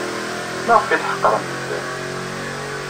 Maɣef ay tḥeqrem medden?